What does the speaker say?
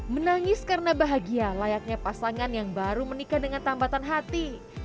menangis karena bahagia layaknya pasangan yang baru menikah dengan tambatan hati